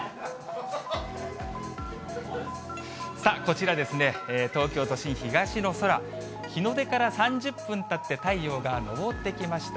さあ、こちらですね、東京都心、東の空、日の出から３０分たって、太陽が昇ってきました。